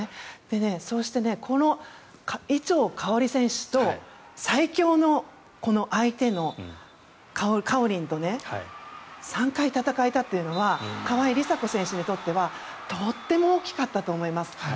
そして、この伊調馨選手と最強の相手のかおりんとね３回戦えたというのは川井梨紗子選手にとってはとっても大きかったと思います。